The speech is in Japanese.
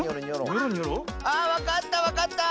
あわかったわかった！